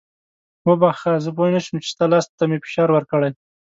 وبخښه زه پوه نه شوم چې ستا لاس ته مې فشار ورکړی.